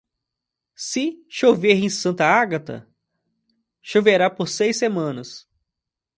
Se chover em Santa Agata, choverá por seis semanas.